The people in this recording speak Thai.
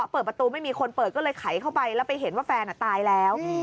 เปิดประตูไม่มีคนเปิดก็เลยไขเข้าไปแล้วไปเห็นว่าแฟนตายแล้ว